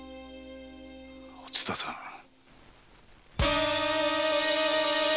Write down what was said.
お蔦さん。